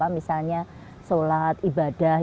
misalnya sholat ibadah